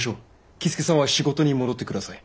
僖助さんは仕事に戻って下さい。